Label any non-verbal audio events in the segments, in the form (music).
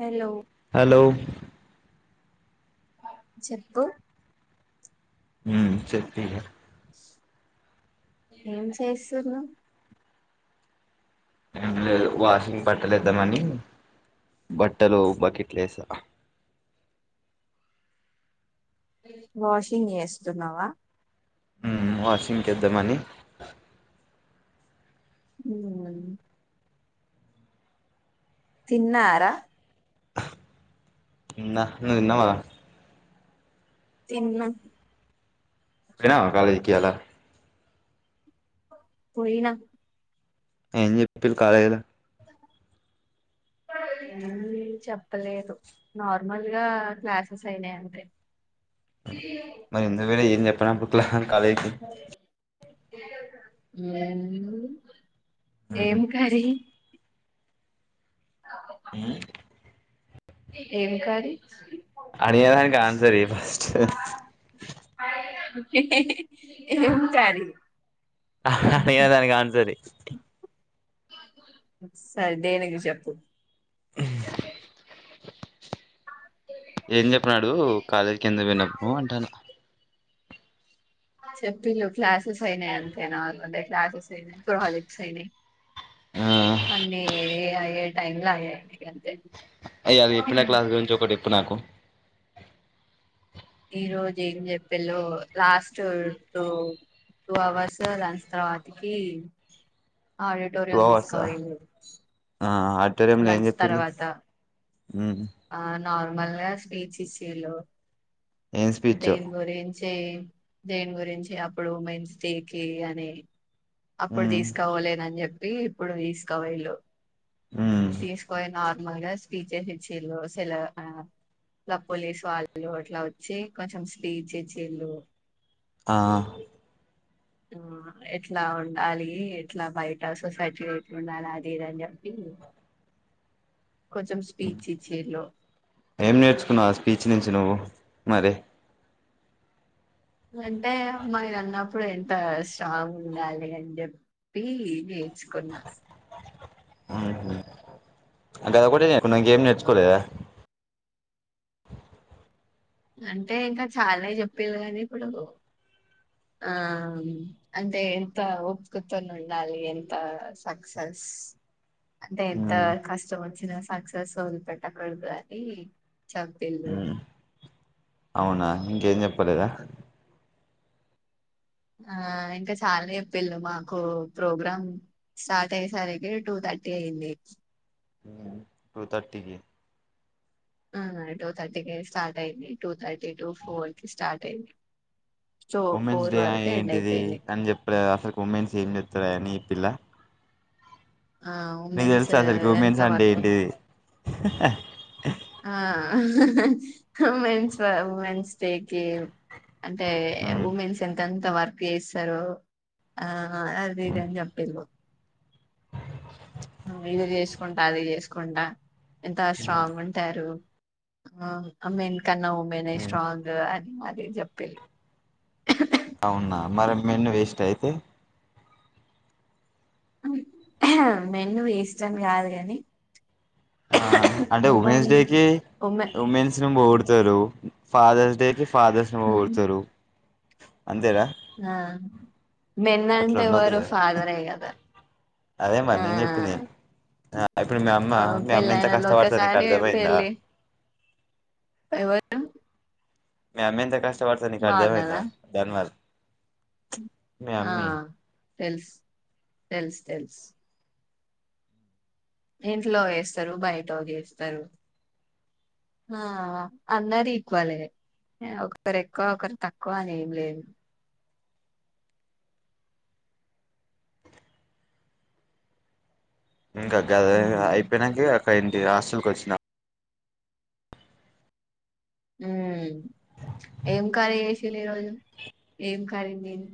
Hello hello చెప్పు ఉమ్ చేప్పింకా ఏం చేస్తున్నావ్? ఏం లేదు వాషింగ్ బట్టలఏద్దాం అని బట్టలు బకెట్లేసా వాషింగ్ చేస్తున్నావా? ఉమ్ వాషింగ్ కేద్దామని ఉమ్ తిన్నారా? తిన్న నువ్వు తిన్నవా? తిన్న పోయినవా కాలేజీకియాలా? పోయిన ఏంజెప్పిరు కాలేజిలు ఏమి చెప్పలేదు నార్మల్గా క్లాసెస్ అయినాయి అంతే. మరి ఎందుకుపోయినవ్ ఏంజెప్పునప్పుడు క్లా కాలేజ్ ఉమ్ ఉహు ఎం కర్రీ? మ్ ఏం కారి అడిగినదానికి ఆన్సర్ ఈయూ ఫస్టో ఇహిహి ఎం కారీ? అహ్హ్ ఇగ దానికి ఆన్సర్ ఈ సరే దేనికి చెప్పు ఏం చెప్పినాడు కాలేజీకి ఎందుకు పోయినవు అంటాన చెప్పిలుు క్లాసెస్ అయినాయి అంతేనా వా క్లాసెస్ అయినాయి, ప్రాజెక్ట్స్ అయినాయి. ఆ అన్నీ ఏ ఏ అయ్యే టైమ్లా అయ్యాయితాయి గంతే అయ్య అది చేపిన క్లాస్ గురించి ఒకటి ఎప్పు నాకు ఈ రోజు ఏం చెప్పెల్లో లాస్ట్ టో టూ అవర్స్ లంచ్ తర్వాతికి టూ ఆడిటోరియం అవర్సా తీసుకోవాలిన్ ఆ ఆడిటోరియంలో ఏం చేప్పిర్లు ఉ నార్మల్గా స్పీచ్ ఇస్లిలు ఏం స్పీచో దేన్గురిన్ చే దేని గురించి అప్పుడు ఉమెన్స్ డే కి అని అప్పుడు ఉమ్ తీసుకోవలేనని చెప్పి ఇప్పుడు తీసుకో పోయిలు. ఉమ్ తీసుకోయి నార్మల్ గా స్పీచెస్ ఇచ్చిలు సేల ఆ ఇలా పోలీస్ వాళ్ళు అట్లా వచ్చి కొంచెం స్పీచ్ ఇచ్చిల్లు ఆ ఆ ఎట్లా ఉండాలి ఎట్లా బయట సొసైటీ ఎట్ల ఉండాలి. అది ఇది అని చెపి ఉ ఇచ్చిళ్ళు ఏం నేర్చుకున్నావు ఆ స్పీచ్ నుంచి నువ్వు మరి అంటే అమ్మాయి అన్నప్పుడు ఎంత స్ట్రాంగ్ ఉండాలి అని జెపి పి నేర్చుకున్న మ్మ్ గదోకటే ఇంకేం నేర్చుకోలేదా? అంటే ఇంకా చాల్నే జెప్పిరు గానీ ఇప్పుడు ఆ అంటే ఎంతా ఓపికతోనుండలే ఎంతా సక్సెస్ అంటే ఎంతా ఉమ్ కష్టం ఓచ్చిన సక్సెస్ ఒదిలిపెట్టకూడదు అని చెప్పిళ్ళు హ్మ్ అవున ఇంకేం జేప్పలేద ఆ ఇంకా చాలచెప్పిన్లు మాకు ప్రోగ్రామ్ స్టార్ట్ అయ్యసరికి టూ థర్టీ ఆయింది టూ థర్టీ కి హ్మ్ టూ థర్టీకి స్టార్ట్ అయింది టూ థర్టీ టూ ఫోర్ కి స్టార్ట్ అయింది సో ఉమెన్స్ ఫోర్ డే వరకు ఎండ్ ఏంటిది అయిపోయింది అన్ చెప్పలేద అసల ఉమెన్స్ ఏం జెప్తలే ఈ పిల్ల ఆ నీకు తెలుసా ఉమెస్సూ అసలుకి ఎంత ఉమెన్స్ అంటే వర్క్ ఏంటిది ఆ ఉమెన్స్ ఉమెన్స్ డే కి అంటే ఉమ్ ఉమెన్స్ ఎంతెంత వర్క్ ఏస్తరో ఆ ఆ అధి ఇది అని జేప్పిల్లు ఇది జేస్కూంట అది ఆసుకుంట ఎంత స్ట్రాంగ్ ఉంటారు ఆ ఆమెన్ కన్నా ఉమెన్ ఏ స్ట్రాంగ్ అద్ అది జెప్పేల్లు అవునా మరే మెన్ వేస్ట్ అయితే మెన్ను వేస్ట్ అని గాదు గాని ఆ అంటే ఉమెన్స్ డేకి ఉమెన్ విమెన్స్ నీ బొగుడుతారు ఫాదర్స్ డేకి ఫాదర్స్ నీ బొగుడుతారు అంతే గా ఆ మేన్నంటెఓరు ఫాదరే గద అదేమర్ నేన్ జెప్పింది ఆ ఇప్పుడు మీ అమ్మ మీ అమ్మేంత పెళ్ళయినోళ్ళు కష్టపడుతది నీక్ అర్థమయిందా ఎవరూ మీ అమ్మేంత కష్టవడుతదొ నీకు అర్థమయిందా అన్ననా అర్థంగాద్ ఆ తెల్స్ తెల్స్ తెల్స్ ఇంట్లో ఏస్తారు బయటో గేస్తారు ఆ అందర ఈక్వలే ఒకరు ఎక్కువ ఒకరు తక్కువ అన్ ఏం లెద్ ఇంకా గదేం ఉమ్ ఇపోనైక్క అక్కఇంటి హాస్టల్కఓచిన హ్మ్ ఏం ఖరీ జెషీలు ఈరోజు ఏం ఖరీ ఏద్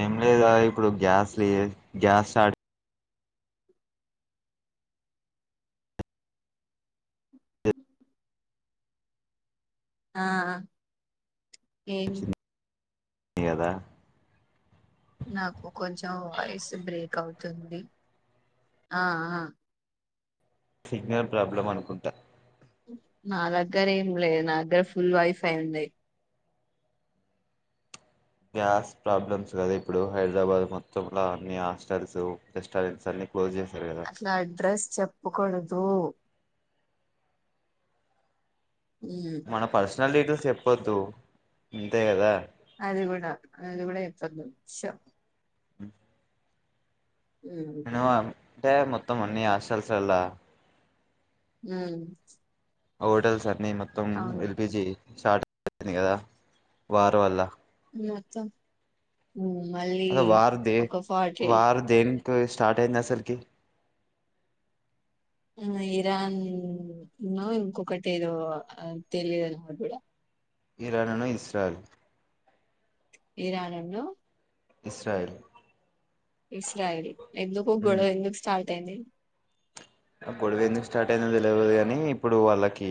ఏం లేదు అ ఇప్పుడు గ్యాస్ లెద్ గ్యాస్ స్టార్ట్ ఆ ఏం గదా నాకు కొంచెం వాయిస్ బ్రేక్ అవుతుంది ఆ ఆ సిగ్నల్ ప్రాబ్లం అనుకుంటా నా దగ్గర ఏం లేద్ నాగ్గర ఫుల్ వైఫై ఉంది గ్యాస్ ప్రాబ్లమ్స్ గదా ఇప్పుడు హైడ్రాబాద్ మొత్తంల అన్ని హాస్టల్స్ రెస్టారెంట్స్ అన్ని క్లోజ్ జేసర్ గదా చెప్పుకోడదు మన పర్సనల్ డిటెయిల్స్ చేప్పొద్దు ఇంతే గదా అదిగూడ అదిగూడ ఎప్పద్ షూ హ్మ్ ఎందుకు అంటే మొత్తం అన్ని హాస్టల్స్ ఓలా ఉమ్మ్ హోటల్స్ అన్ని మొత్తం ఎ ల్పి జి షార్టె కదా వార్ వల్ల మొత్తం మళ్ళీ అసలు వార్ దే ఒక ఫార్టీ వారు దేనికి స్టార్ట్ అయింది అసల్కి ఇంగ ఇరాన్ నో ఇంకొకటి ఏదో అద్ తెలియదు నాగుడ ఇరానును ఇస్రాయిల్ ఇరానున్ను ఇస్రాయిల్ ఇస్రాయిల్ ఎందుకు గొడవెందుకు స్టార్ట్ అయింది. గొడవెందుకు స్టార్ట్ అయిందో తెలవదు గని ఇప్పుడు వాళ్ళకి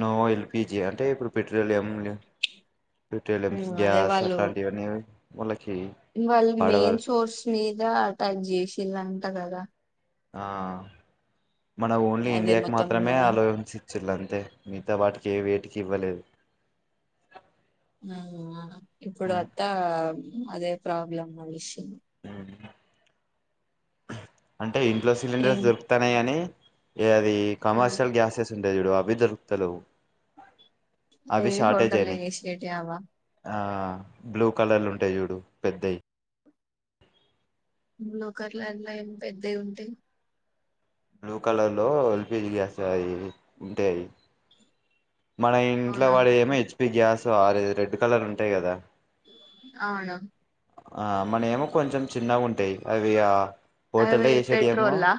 నో ఎల్పీజీ అంటే ఇప్పుడు పెట్రోలియంలు పెట్రోలియంస్ ఉమ్ గాస్ అట్లాంటివన్ని ముల వాళ్ళ్ మెయిన్ షోర్ష్ మీద అటాక్ చేసిళ్ళంట గదా ఆ మన ఓన్లీ అదే ఇండియాక్ మొత్తం మాత్రమే ఆ అల్లోవెన్స్ ఇచ్చిళ్ళద్ తే మిగ్తా వాటికి వేటికి ఇవ్వలేదు. ఆవ్వు ఆ ఇప్పుడ్ అత్తావ అదే ప్రాబ్లమ్ వచ్చిం ఉమ్. టే ఇంట్లో ఏం సిలిండర్స్ దొర్క్తున్నయ్ అని ఏ అది ఆ కమర్షియల్ గ్యాసెస్ ఉంటయ్ చూడు అవ్వే దొరక్కుతలేవు ఏ అవి షార్టేజ్ హోటల్లో ఐనయ్ చేసేటివి అవా ఆ బ్లూ కలర్ ల ఉంటయి చూడు పెద్దయ్ లుకలర్ ఏమ్ పెద్దయ్ ఉంటయ్ బ్లూ కలర్ లో ఎ ల్పి జి గ్యాస్ అది ఉంటయ్ మన ఇంట్లో అవునా వాడేదేమో హెచ్పి గ్యాస్ ఆర రెడ్ కలర్ ఉంటయి కదా ఔను ఆ మన ఏమో కొంచెం చిన్నగుంటయ్ అవి ఆ హోటల్లో అవి చేసేటివేమో పెట్రోల్లా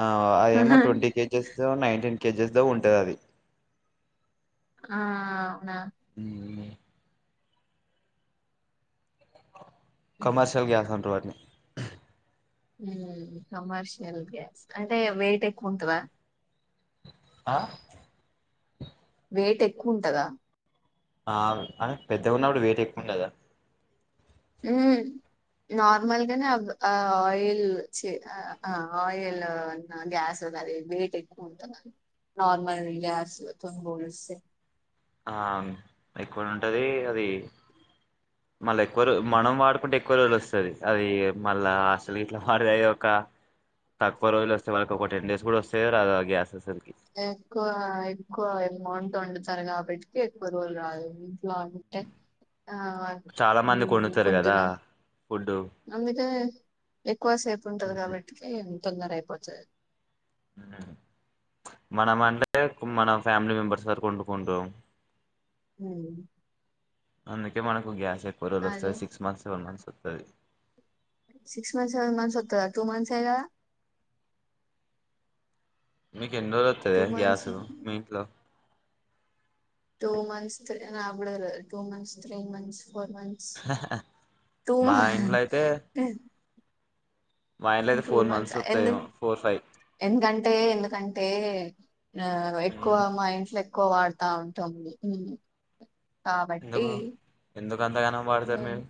ఆ అదేమో ట్వంటీ కేజెస్ ఇంట్లో ఉన్నయ్ టెన్ కేజెస్ దే ఉంటద్ అది ఆ అవున ఊ కమర్షియల్ గ్యాస్ అంటర్ వాట్నీ ఊ కమర్షియల్ గ్యాస్ అంటే వేయిట్ ఎక్కువ ఉంటదా అ వెయిట్ ఎక్వుంటదా ఆ అ పెద్దగ ఉన్నప్పుడు వెయిట్ ఎక్కువుండదా ఊమ్ నార్మల్గనే అవ్ ఆ ఆయిల్ చి అ ఆ ఆయిల్ న్న గ్యాస్ అది వేట్ ఎక్కువ ఉంటద నార్మల్ గాస్ తోని పోలిస్తే ఆ ఎక్కువనే ఉంటది అది మళ్ళ ఎక్కువ రో మనం వాడుకుంటే ఎక్కువ రోజుల్ ఒస్తది అది మళ్ళా హాస్టల్ గిట్ల (unintelligible) అ తక్కువ రోజుల్ ఒస్తే మనకి ఒక టెన్ డేస్ కూడ వస్తయో రాదో ఆ గ్యాస్ అసల్ క్వ ఎమౌంట్ వండుతరు కాబట్టి ఎక్కువ రోజుల్ రాదు అది లాంటే ఆ చాలా ఊ మందికి వండుతారు కదా పొద్దున ఫుడ్డు అందుకే ఎక్కువసేపు ఉంటది కాబట్టికి తొందర అయిపోతది ఉ మనం అంటే కు మన ఫ్యామిలీ మెంబర్స్ వరకు ఒండుకుంటం హ్ అందుకే మనకు గ్యాస్ ఎక్కో రోజుల్ ఒస్తది సిక్స్ మంత్స్ సెవెన్ మంత్స్ ఒత్తది. Six months seven months ఒత్తదా two మంత్సే గద మీకెన్ని రోజుల్ వత్తదే గ్యాసు మీ ఇంట్లో టూ మంత్స్ అ నాగూడతెల్వద్ two months three months four months two మా హా ఇంట్లో అయితే టెన్ మా ఇంట్లో అయితే టూ ఫోర్ మంత్స్ ఎందు వత్తదేమో ఫోర్ ఫైవ్ ఎందుకంటే ఎందుకన్ అంటే ఆ ఎక్కువ హ్మ్. మా ఇంట్లో ఎక్కువ వాడుతా ఉంటం మెము కాబట్టి ఎందుకు ఎందుకు అంతగానం వాడతారు మీరు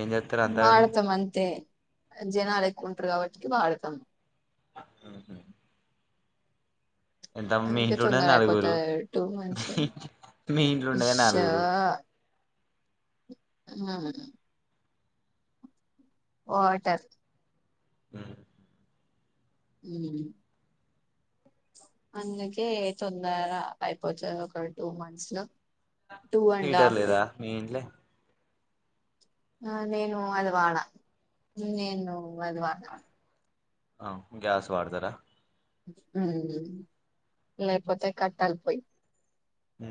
ఏం చేస్తారు అంతగానం వాడతం అంతే జనాల్ ఎక్కుంటర్ కాబట్టి వాడతం. అ అవును ఎంత మీ అందుకే ఇంట్లుండేద్ తొందర నలుగురు. అయిపోతది టూ మంత్స్ మీ ఇంట్లుండేదే ఫిష్ నలుగురు. హ వాటర్ మ్ మ్ అందుకే తొందర అయిపోతద్ ఒక టూ మంత్స్లో హీటర్ లేదా మీ ఇంట్లే ఆ నేను అది వాడ నేను అది వాడ. అవ్ గ్యాస్ వాడ్తరా? మ్ లేక్పోతే కట్టల్ పొయ్యి మ్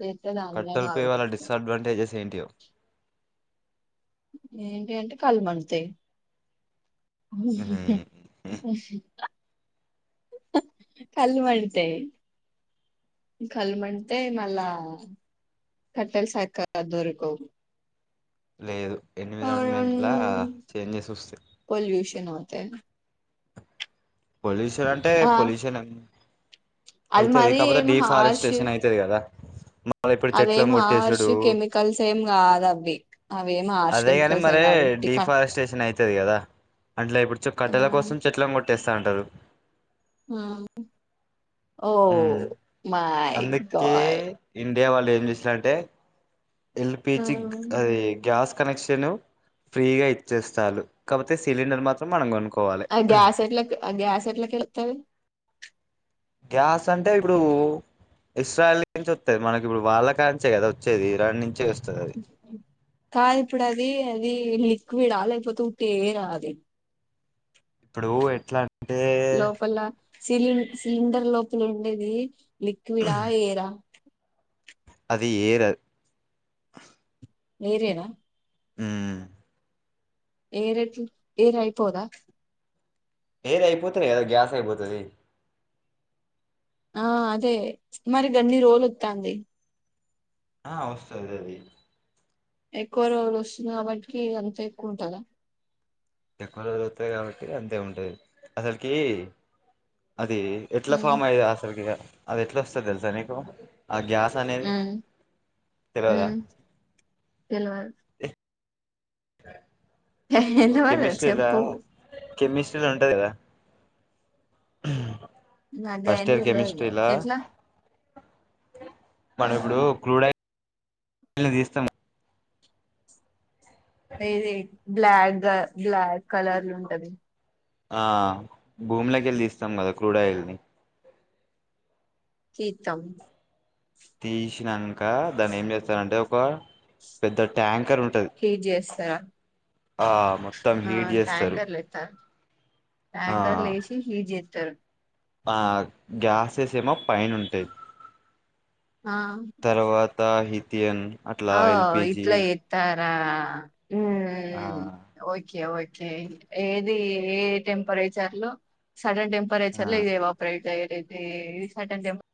లేతే కట్టల దానిలాగా పొయ్యి వళ్ళ ఆలోచించుకోవాలి డిస్అడ్వాంటేజెస్ ఏంటియో ఏంటి అంటే కళ్ళు మండుతయి. ఉమ్. అ కళ్ళు మండుతయి. కళ్ళు మండుతాయి మళ్ళా కట్టల్ సక్కగా దొరుకవ్ లేదు ఎన్విరాన్మెంట్లా చేంజెస్ వస్తయి. ఏమో తే పొల్యూ అంటే ఆ పొల్యూషన్ అది అయితది మరి కాకపోతే ఏం డిఫారెస్టేషన్ అయితది గదా అదేం హర్ష్ కెమికల్స్ ఏం కాదవి అదేగని మరి డిఫారెస్టేషన్ అయి తది గదా అంట్లే ఇప్పుడు ఆ, కట్టెల కోసం చెట్లను కొట్టేస్తా ఉంటారు. ఆ ఓ ఉమ్. My God! ఇగ వాళ్ళేం చేసింరంటే ఎల్ పి జిక్ అది గ్యాస్ కనెక్షను ఫ్రీగా ఇచ్చేస్తాన్లు కాపోతే సిలిండర్ మాత్రం మనం కొనుకొ ఆ గ్యాస్ ఎట్ల ఆ గ్యాస్ ఎట్ల తెలుత్తది. గ్యాస్ అంటే ఇప్పుడూ ఇస్రాయిల్ నుంచి వత్తది మనకిప్పుడు వాళ్ళ కానుంచే కదా వచ్చేది ఇరాన్ నుంచే వస్ కాద్ ఇప్పుడది దీ లిక్విడా లేక్పోతే ఉట్టి ఎయిరా అది ఇప్పుడు ఎట్లలంటే... లోపల సిలి సిలిండర్ లోపల ఉండేది లిక్విడా ఎయిరా అది ఏర ఎయిర్ ఏ రా మ్ ఏర్ ఎట్ల ఏర్ ఐపోదా ఎయిర్ అయిపోతెనే కదా గ్యాస్ అయిపోతది ఆ అదే మరి గన్ని రోజులు ఒత్తంది ఆ వొస్తది అది ఎక్కువ రోజులు వస్తుంది కాబట్టికి అంతా ఎక్కువ ఉంటందా లిక్విడ్ వదుల్తది కాబట్టి అంతే ఉంటది అసల్కి అది ఎట్ల ఉమ్ ఫామ్ అయి అసలుకి అది ఎట్ల వస్తద్ తెల్సా నీకు ఆ గ్యాస్ అనేది ఉమ్ తెల్వదా ఉమ్ తెలవదు ఓ తెలవదు కెమిస్ట్రీ రా చెప్పు కెమిస్ట్రీలో ఉంటది కదా నాకు ఫస్ట్ గయన్ని ఇయర్ తెలవదు కెమిస్ట్రీలా ఎట్లా ఆ మనం ఇప్పుడు క్రూడై ఆయిల్ తీస్తాము ఇది బ్లాక్గా బ్లాక్ కలర్లు ఉంటది ఆ భూమిలేకేలి తీస్తాం గా కదా క్రూడాయిల్ని కితం తీసినంక దాన్ని ఏం చేస్తానంటే ఒక పెద్ద ట్యాంక్ కర్ ఉంటది హీట్ చేస్తారా ఆ మొత్తం హీట్ చేస్తారు ఆ ట్యాంకర్ల ఏసి హీట్ జీతారు ఆ గ్యాసెస్ ఏమో పైన ఉంటాయి ఆ తర్వాత హిథయన్ ఆ ఇట్ల ఇతారా ఉ ఆ ఓకే ఓకే ఎ ఏది ఏ టెంపరేచర్ లో సడన్ టెంపరేచర్ ల్ ఆ ఇద ఎవప్రేట్ అయ్య తే వి సడన్ టెంప్ట్